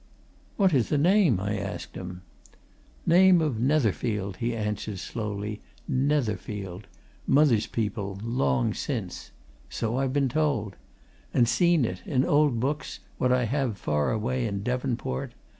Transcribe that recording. "What is the name?" I asked him. "Name of Netherfield," he answered, slowly. "Netherfield. Mother's people long since. So I've been told. And seen it in old books, what I have far away in Devonport.